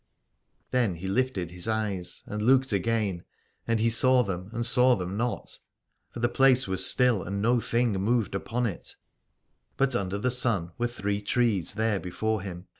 Then he lifted his eyes and looked again : and he saw them and saw them not. For the 183 Aladore place was still and no thing moved upon it : but under the sun were three trees there before him.